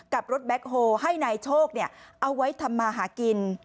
รถแบ็คโฮให้นายโชคเอาไว้ทำมาหากิน